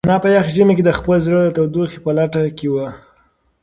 انا په یخ ژمي کې د خپل زړه د تودوخې په لټه کې وه.